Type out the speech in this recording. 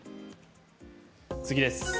次です。